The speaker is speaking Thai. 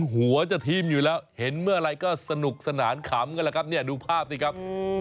หัวจะทีมอยู่แล้วเห็นเมื่อไหร่ก็สนุกสนานขำกันแล้วครับเนี่ยดูภาพสิครับ